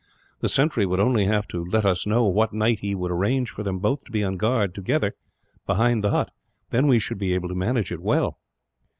The sentry would only have to let us know what night he would arrange for them both to be on guard, together, behind the hut; then we should be able to manage it well."